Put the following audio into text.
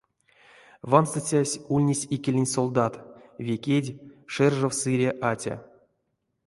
Ванстыцясь ульнесь икелень солдат, ве кедь, шержев сыре атя.